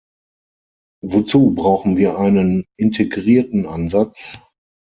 Wozu brauchen wir einen integrierten Ansatz?